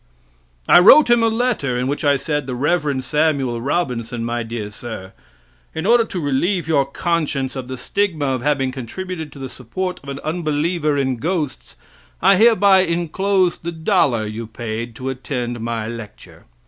I wrote him a letter, in which I said: "The Rev. Samuel Robinson, My Dear Sir. In order to relieve your conscience of the stigma of having contributed to the support of an unbeliever in Ghosts, I herewith enclose the dollar you paid to attend my lecture."